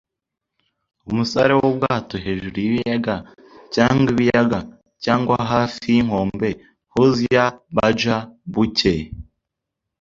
Umusare wubwato hejuru yibiyaga cyangwa ibiyaga cyangwa hafi yinkombe, Hoosier, Badger, Buckeye;